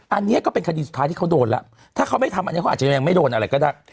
อันนี้ก็เป็นคดีสุดท้ายที่เขาโดนแล้วถ้าเขาไม่ทำอันนี้เขาอาจจะยังไม่โดนอะไรก็ได้